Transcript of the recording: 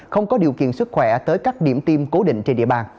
không có điều kiện sức khỏe tới các điểm tiêm cố định trên địa bàn